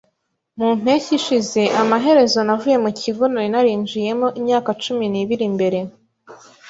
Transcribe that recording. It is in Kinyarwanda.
Mu mpeshyi ishize, amaherezo navuye mu kigo nari narinjiyemo imyaka cumi n'ibiri mbere.